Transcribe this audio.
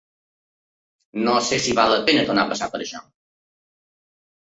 No sé si val la pensa tornar a passar per això.